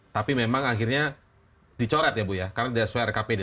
tapi memang akhirnya dicoret ya bu ya karena tidak sesuai rkpd